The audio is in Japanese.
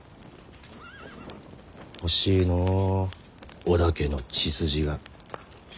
欲しいのう織田家の血筋が。